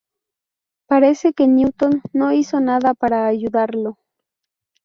Parece que Newton no hizo nada para ayudarlo.